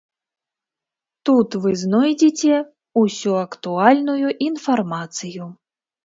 Тут вы знойдзеце ўсю актуальную інфармацыю.